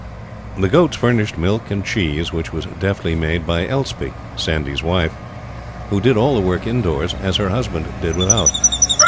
The goats furnished milk and cheese, which was deftly made by Elspie, Sandy's wife, who did all the work indoors, as her husband did without.